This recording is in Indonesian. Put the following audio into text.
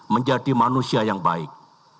menjadi manusia yang baik